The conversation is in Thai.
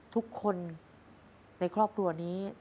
ทุกคนในครอบครัวนี้